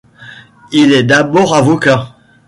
Il est d'abord avocat.